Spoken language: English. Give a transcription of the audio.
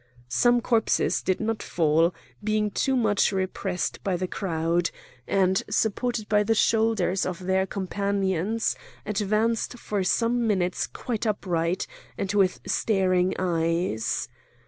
Some corpses did not fall, being too much pressed by the crowd, and, supported by the shoulders of their companions, advanced for some minutes quite upright and with staring eyes.